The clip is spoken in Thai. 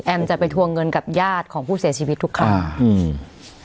จะไปทวงเงินกับญาติของผู้เสียชีวิตทุกครั้งอืม